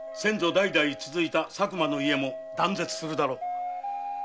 代々続いた佐久間の家も絶えるだろう。